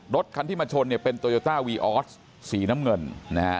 รถคันที่มาชนเนี้ยเป็นสีน้ำเงินนะฮะ